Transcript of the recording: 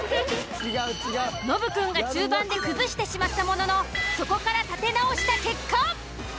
ノブくんが中盤で崩してしまったもののそこから立て直した結果。